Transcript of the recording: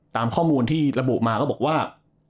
ตามข้อมูลที่ระบุมาก็บอกว่า